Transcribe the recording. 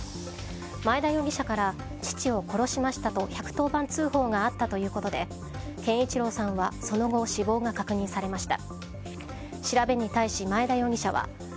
前田容疑者から父を殺しましたと１１０番通報があったということで憲一郎さんはその後死亡が確認されました。